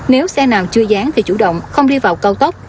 nếu xe nào chưa dán thì chủ động không đi vào cao tốc